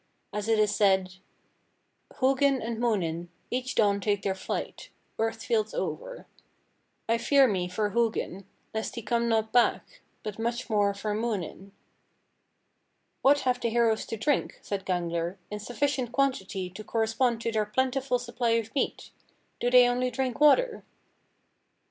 As it is said, 'Hugin and Munin Each dawn take their flight Earth's fields over. I fear me for Hugin, Lest he come not back, But much more for Munin.'" 40. "What have the heroes to drink," said Gangler, "in sufficient quantity to correspond to their plentiful supply of meat: do they only drink water?"